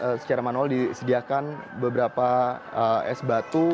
dan juga secara manual disediakan beberapa es batu